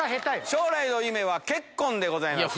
将来の夢は結婚でございます。